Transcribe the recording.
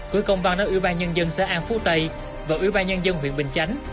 gửi công văn đến ủy ban nhân dân xã an phú tây và ủy ban nhân dân huyện bình chánh